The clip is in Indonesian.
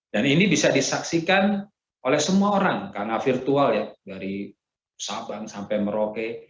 dan ini bisa disaksikan oleh semua orang karena virtual ya dari sabang sampai merauke